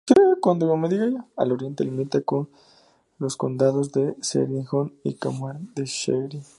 Al oriente limita con los condados de Ceredigion y Carmarthenshire.